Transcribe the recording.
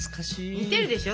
似てるでしょ